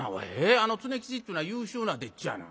あの常吉っちゅうのは優秀な丁稚やな。